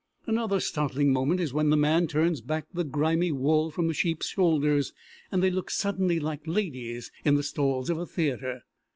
Another startling moment is when the man turns back the grimy wool from the sheeps' shoulders and they look suddenly like ladies in the stalls of a theatre.